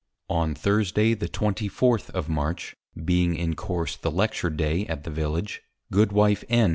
On Thursday the Twenty Fourth of March, (being in course the Lecture Day at the Village,) Goodwife. _N.